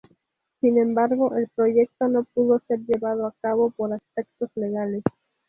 Sin embargo, el proyecto no pudo ser llevado a cabo por aspectos legales.